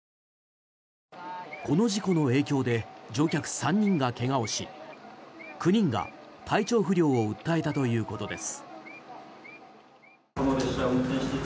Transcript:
この事故の影響で乗客３人が怪我をし９人が体調不良を訴えたということです。